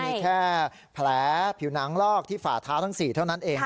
มีแค่แผลผิวหนังลอกที่ฝ่าเท้าทั้ง๔เท่านั้นเอง